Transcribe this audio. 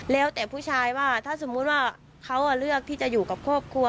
แล้วแต่ผู้ชายว่าถ้าสมมุติว่าเขาเลือกที่จะอยู่กับครอบครัว